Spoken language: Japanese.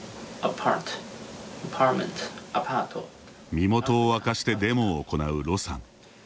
身元を明かしてデモを行う盧さん。